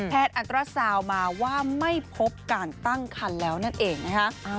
อัตราซาวมาว่าไม่พบการตั้งคันแล้วนั่นเองนะคะ